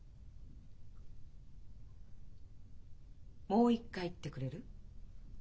もう一回言ってくれる？